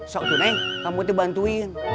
sok tuh neng kamu tuh bantuin